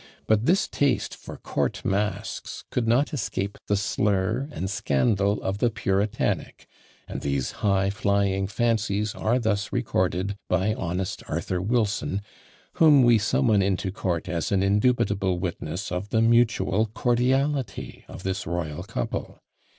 But this taste for court masques could not escape the slur and scandal of the puritanic, and these "high flying fancies" are thus recorded by honest Arthur Wilson, whom we summon into court as an indubitable witness of the mutual cordiality of this royal couple.